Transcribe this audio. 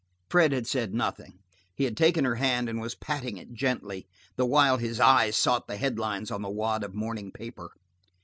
Fred had said nothing. He had taken her hand and was patting it gently, the while his eyes sought the head lines on the wad of morning paper.